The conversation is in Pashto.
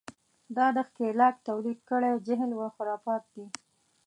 دا د ښکېلاک تولید کړی جهل و خرافات دي.